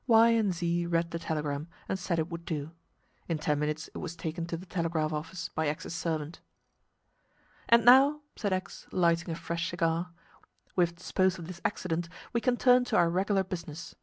Y and Z read the telegram, and said it would do. In ten minutes it was taken to the telegraph office by X's servant. "And now," said X, lighting a fresh cigar, "we have disposed of this accident, and we can turn to our regular business.